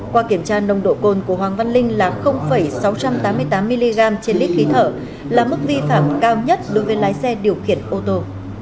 qua kiểm tra nồng độ cồn của hoàng văn linh là sáu trăm tám mươi tám mg trên lít khí thở là mức vi phạm cao nhất đối với lái xe điều khiển ô tô